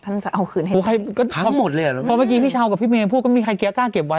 เพราะเมื่อกี้พี่เช้ากับพี่เมนพูดก็ไม่มีใครเกี๊ยวกล้าเก็บไว้